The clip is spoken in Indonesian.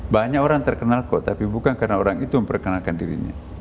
banyak orang terkenal kok tapi bukan karena orang itu memperkenalkan dirinya